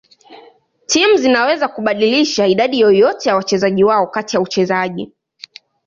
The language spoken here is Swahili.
Timu zinaweza kubadilisha idadi yoyote ya wachezaji wao kati ya uchezaji.